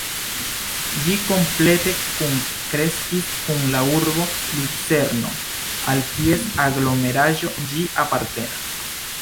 Ĝi komplete kunkreskis kun la urbo Lucerno, al kies aglomeraĵo ĝi apartenas.